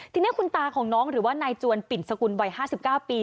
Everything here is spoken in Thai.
ทีนี้คุณตาของน้องหรือว่านายจวนปิ่นสกุลวัย๕๙ปี